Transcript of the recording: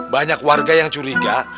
banyak warga yang curiga